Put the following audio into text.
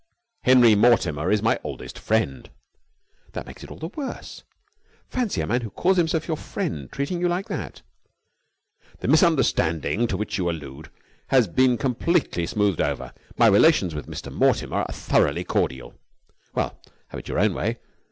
"Henry Mortimer is my oldest friend." "That makes it all the worse. Fancy a man who calls himself your friend treating you like that!" "The misunderstanding to which you allude has been completely smoothed over. My relations with Mr. Mortimer are thoroughly cordial." "Well, have it your own way.